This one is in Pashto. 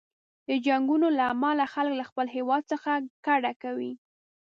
د جنګونو له امله خلک له خپل هیواد څخه کډه کوي.